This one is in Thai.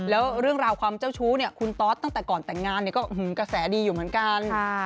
แล้วเรื่องราวความเจ้าชู้เนี่ยคุณตอสตั้งแต่ก่อนแต่งงานก็กระแสดีอยู่เหมือนกัน